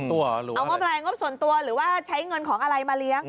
งบตัวหรือว่าอะไรงบส่วนตัวหรือว่าใช้เงินของอะไรมาเลี้ยง